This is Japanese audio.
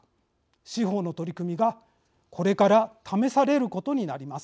司法の取り組みがこれから試されることになります。